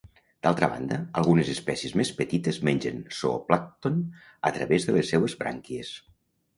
D'altra banda, algunes espècies més petites mengen zooplàncton a través de les seues brànquies.